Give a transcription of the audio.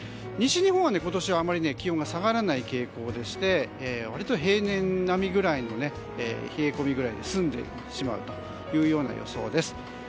西日本は今年はあまり気温が下がらない傾向でして割と平年並みぐらいの冷え込みで済んでしまうという予想です。